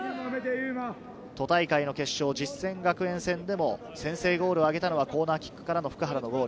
都大会の決勝、実践学園戦でも先制ゴールを挙げたのはコーナーキックからの普久原のゴール。